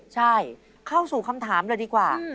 ใช่เข้าสู่คำถามเลยดีกว่า